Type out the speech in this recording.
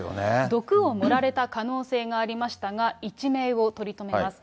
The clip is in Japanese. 毒を盛られた可能性がありましたが、一命を取り留めます。